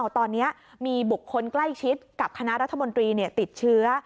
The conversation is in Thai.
ตอนนี้มีบุคคลใกล้ชิดกับคณะรัฐมนตรีติดเชื้อ